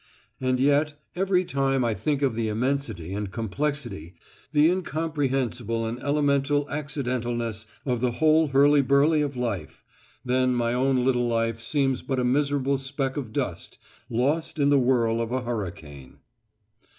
And yet every time I think of the immensity and complexity, the incomprehensible and elemental accidentoriness of the whole hurly burly of life, then my own little life seems but a miserable speck of dust lost in the whirl of a hurricane."